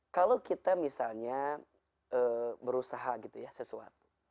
kalau kita misalnya berusaha gitu ya sesuatu